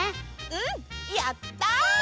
うんやった！